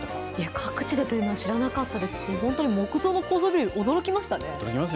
各地でというのは知らなかったですし本当に木造の高層ビル驚きましたね。